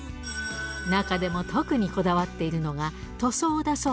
中でも特にこだわっているのが塗